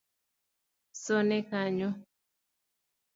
Sone kanyo